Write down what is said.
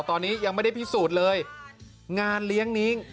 ตอนนี้ไม่พรีสูจน์เลย